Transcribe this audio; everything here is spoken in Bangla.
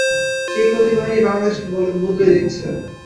সেই কর্মী বাহিনী বাংলাদেশকে বদলে দিচ্ছে।